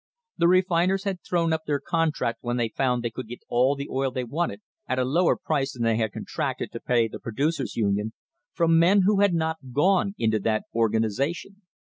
The ifiners had thrown up their contract when they found they :ould get all the oil they wanted at a lower price than they tad contracted to pay the Producers' Union, from men who THE HISTORY OF THE STANDARD OIL COMPANY had not gone into that organisation.